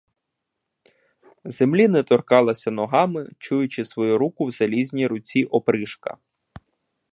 Землі не торкалася ногами, чуючи свою руку в залізній руці опришка.